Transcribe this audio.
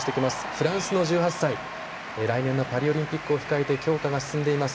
フランスの１８歳来年のパリオリンピックを控えて強化が進んでいます。